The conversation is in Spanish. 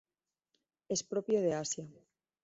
Es propio de Asia.